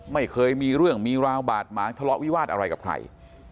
ไม่เคยมีเรื่องมีราวบาดหมางทะเลาะวิวาสอะไรกับใคร